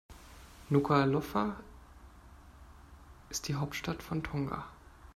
Nukuʻalofa ist die Hauptstadt von Tonga.